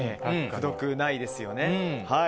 くどくないですよね。